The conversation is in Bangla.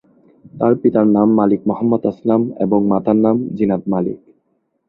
তার পিতার নাম মালিক মোহাম্মদ আসলাম এবং মাতার নাম জিনাত মালিক।